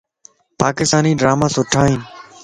پاڪستاني ڊراما سُٺا ائين